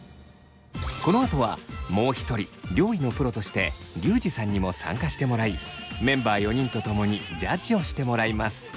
このあとはもう一人料理のプロとしてリュウジさんにも参加してもらいメンバー４人と共にジャッジをしてもらいます。